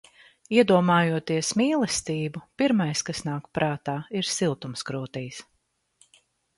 Iedomājoties mīlestību, pirmais, kas nāk prātā ir siltums krūtīs.